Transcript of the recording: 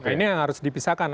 ini yang harus dipisahkan